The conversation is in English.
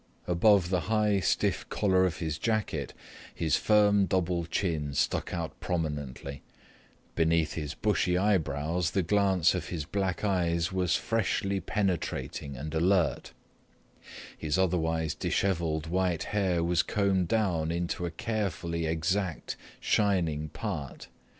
Above the high stiff collar of his jacket his firm double chin stuck out prominently, beneath his bushy eyebrows the glance of his black eyes was freshly penetrating and alert, his otherwise dishevelled white hair was combed down into a carefully exact shining part.